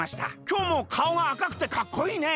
『きょうもかおがあかくてかっこいいね』